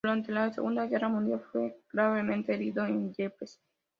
Durante la Segunda Guerra Mundial, fue gravemente herido en Ypres.